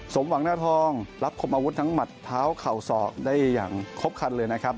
สมหวังหน้าทองรับคมอาวุธทั้งหมัดเท้าเข่าศอกได้อย่างครบคันเลยนะครับ